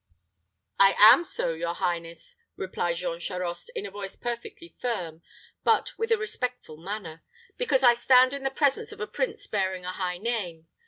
"I am so, your highness," replied Jean Charost, in a voice perfectly firm, but with a respectful manner, "because I stand in the presence of a prince bearing a high name.